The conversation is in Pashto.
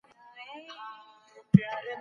ما هغه کتاب په ډېره مینه لوست.